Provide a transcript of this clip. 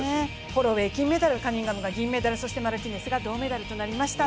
ホロウェイ金メダル、カニンガム銀メダル、そしてマルティネスが銅メダルとなりました。